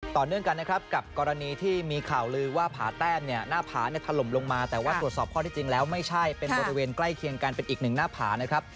ต่อเนื่องกันนะครับกับกรณีที่มีข่าวลือว่าผาแต้มเนี่ยหน้าผาเนี่ยถล่มลงมาแต่ว่าตรวจสอบข้อที่จริงแล้วไม่ใช่เป็นบริเวณใกล้เคียงกันเป็นอีกหนึ่งหน้าผานะครับ